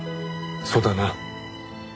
そうだな。